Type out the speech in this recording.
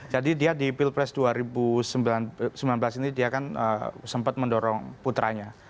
jadi dia di pilpres dua ribu sembilan belas ini dia kan sempat mendorong putranya